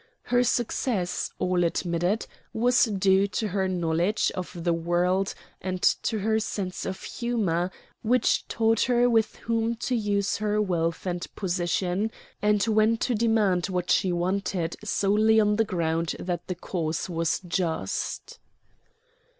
Her success, all admitted, was due to her knowledge of the world and to her sense of humor, which taught her with whom to use her wealth and position, and when to demand what she wanted solely on the ground that the cause was just.